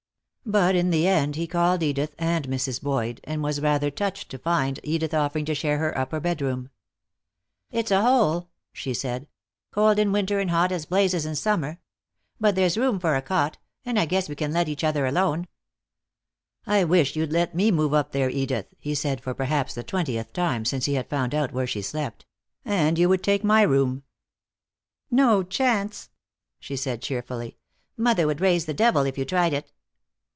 But in the end he called Edith and Mrs. Boyd, and was rather touched to find Edith offering to share her upper bedroom. "It's a hole," she said, "cold in winter and hot as blazes in summer. But there's room for a cot, and I guess we can let each other alone." "I wish you'd let me move up there, Edith," he said for perhaps the twentieth time since he had found out where she slept, "and you would take my room." "No chance," she said cheerfully. "Mother would raise the devil if you tried it."